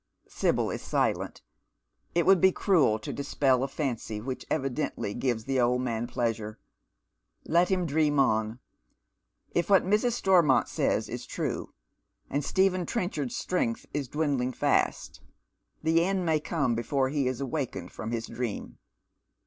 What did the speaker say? Sibyl is silent. It would be cruel to dispel a fancy which evidently gives the old man pleasure. Let him dream on. If what iL's. Stormont says is tme — and Stephen Trenchard's strength is dwindling fast, — the end may come before he is awakened from his dream.